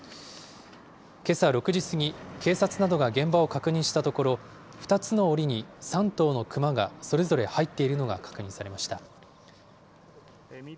けさ６時過ぎ、警察などが現場を確認したところ、２つのおりに３頭のクマがそれぞれ入っているのが確認されました。